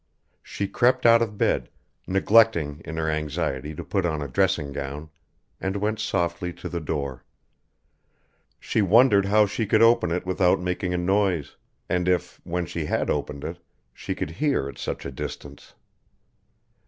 She crept out of bed, neglecting in her anxiety to put on a dressing gown, and went softly to the door. She wondered how she could open it without making a noise, and if, when she had opened it, she could hear at such a distance.